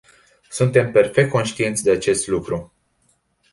Suntem perfect conștienți de acest lucru.